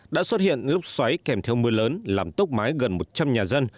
đã xuất hiện lốc xoáy kèm theo mưa lớn làm tốc mái gần một trăm linh nhà dân